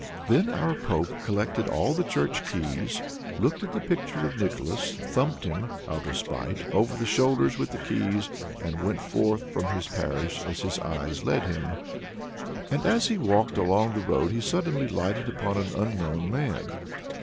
Then our Pope collected all the church keys, looked at the picture of Nicholas, thumped him, out of spite, over the shoulders with the keys, and went forth from his parish as his eyes led him. And as he walked along the road he suddenly lighted upon an unknown man.